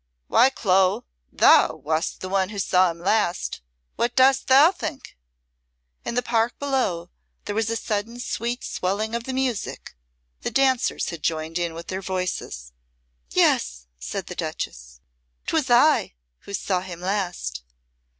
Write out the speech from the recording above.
Why, Clo, thou wast the one who saw him last. What dost thou think?" In the park below there was a sudden sweet swelling of the music: the dancers had joined in with their voices. "Yes," said the Duchess, "'twas I who saw him last."